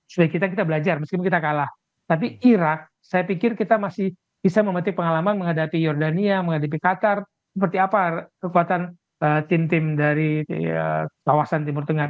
supaya kita kita belajar meskipun kita kalah tapi irak saya pikir kita masih bisa memetik pengalaman menghadapi jordania menghadapi qatar seperti apa kekuatan tim tim dari kawasan timur tengah